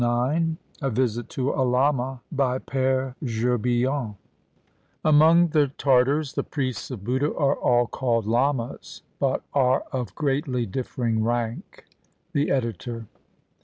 i68 A VISIT TO A LAMA BY PERE GERBILLON [Among the Tartars the priests of Buddha are all called lamas, but are of greatly differing rank. The Editor.